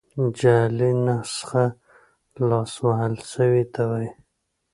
جعلي نسخه لاس وهل سوي ته وايي.